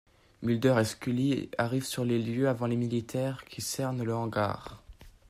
Mulder et Scully arrivent sur les lieux avant les militaires, qui cernent le hangar.